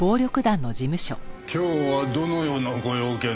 今日はどのようなご用件で？